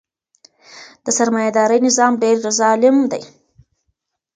د سرمایه دارۍ نظام ډیر ظالم دی.